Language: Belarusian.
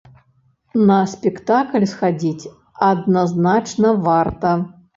На спектакль схадзіць адназначна варта.